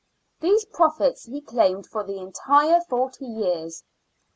These profits he claimed for the entire forty years.